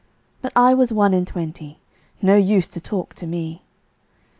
'But I was one and twenty, No use to talk to me.